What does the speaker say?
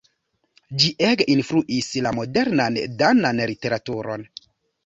Ĝi ege influis la modernan danan literaturon.